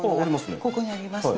ここにありますね